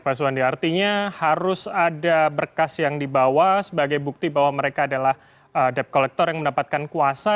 pak suwandi artinya harus ada berkas yang dibawa sebagai bukti bahwa mereka adalah debt collector yang mendapatkan kuasa